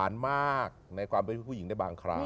อยู่ครบในร่างเดียวกัน